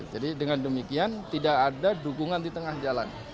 jadi dengan demikian tidak ada dukungan di tengah jalan